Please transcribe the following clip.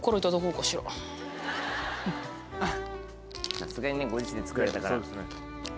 さすがにねご自身で作られたから。